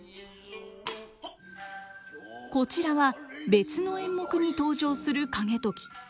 こちらは別の演目に登場する景時。